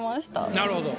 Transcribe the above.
なるほど。